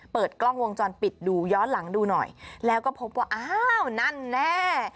เปิดกล้องวงจรปิดดูย้อนหลังดูหน่อยแล้วก็พบว่าอ้าวนั่นแน่